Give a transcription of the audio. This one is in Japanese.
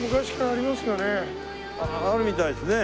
あるみたいですね。